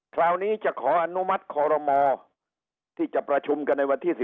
คราวนี้จะขออนุมัติคอรมอที่จะประชุมกันในวันที่๑